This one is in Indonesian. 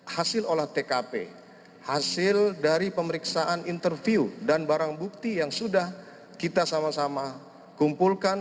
hasil olah tkp hasil dari pemeriksaan interview dan barang bukti yang sudah kita sama sama kumpulkan